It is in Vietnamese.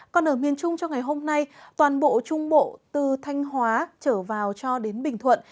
còn ở miền trung cho ngày hôm nay toàn bộ trung bộ từ thanh hóa trở vào cho đến bình thuận